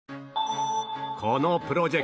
このプロジェクト